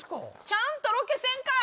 ちゃんとロケせんかい！